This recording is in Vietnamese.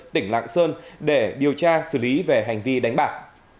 tỉnh lạng sơn để điều tra xử lý về hành vi đánh bạc